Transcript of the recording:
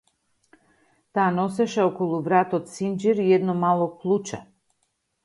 Таа носеше околу вратот синџир и едно мало клуче.